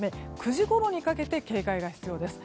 ９時ごろにかけて警戒が必要です。